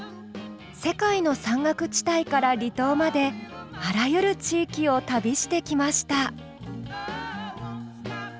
世界の山岳地帯から離島まであらゆる地域を旅してきました。